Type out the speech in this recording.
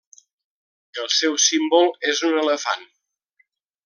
El seu símbol és un elefant.